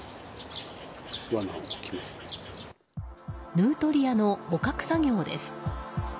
ヌートリアの捕獲作業です。